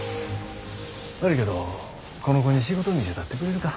悪いけどこの子に仕事見せたってくれるか。